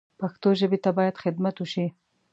پښتو ژبې ته باید خدمت وشي